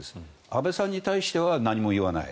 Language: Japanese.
安倍さんに対しては何も言わない。